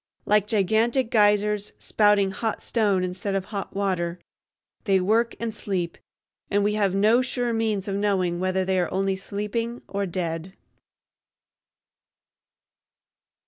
Like gigantic geysers, spouting hot stone instead of hot water, they work and sleep, and we have no sure means of knowing whether they are only sleeping or dead.